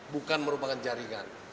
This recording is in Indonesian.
bukan merupakan jaringan